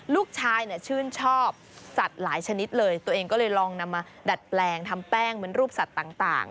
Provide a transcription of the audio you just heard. ลูกชายเนี่ยชื่นชอบสัตว์หลายชนิดเลยตัวเองก็เลยลองนำมาดัดแปลงทำแป้งเหมือนรูปสัตว์ต่าง